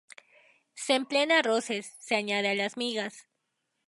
Se emplea en arroces, se añade a las migas.